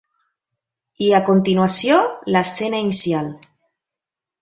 I, a continuació, l'escena inicial.